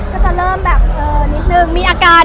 ก็จะเริ่มแบบเออนิดนึงมีอาการ